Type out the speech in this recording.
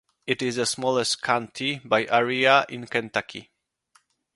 It is the smallest county by area in Kentucky.